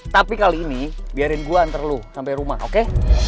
tapi kali ini biarin gue anter lo sampe rumah oke